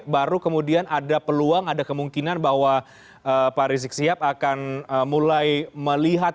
baru kemudian ada peluang ada kemungkinan bahwa pak rizik sihab akan mulai melihat